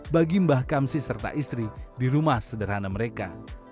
bagi mbah kamsi serta istri di rumah sederhana mereka